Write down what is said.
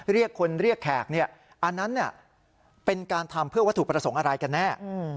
เรียกคนเรียกแขกอันนั้นเป็นการทำเพื่อวัตถุประสงค์อะไรกันแน่